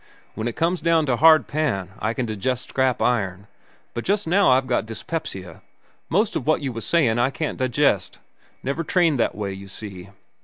"When it comes down to hard pan, I can digest scrap iron. But just now I've got dyspepsia. Most of what you was sayin' I can't digest. Never trained that way, you see.